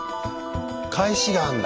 返しがあんだ。